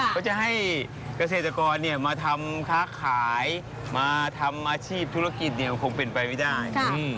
ก็จะให้เกษตรกรมาทำค้าขายมาทำอาชีพธุรกิจเนี่ยคงเป็นไปไม่ได้